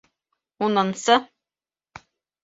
Унынсы